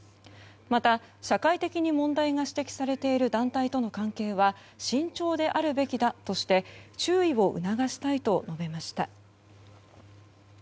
また社会的に問題が指摘されている団体との関係は慎重であるべきだとして注意を促したいと述べました。